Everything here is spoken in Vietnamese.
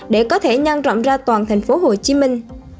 để có thể nhân rộng ra toàn thành phố hồ chí minh